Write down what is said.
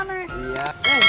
nih gorengannya besit besit nih